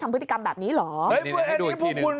พฤติกรรมแบบนี้เหรอ